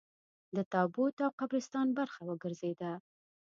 د تابوت او قبرستان برخه وګرځېده.